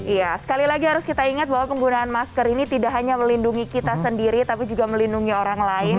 iya sekali lagi harus kita ingat bahwa penggunaan masker ini tidak hanya melindungi kita sendiri tapi juga melindungi orang lain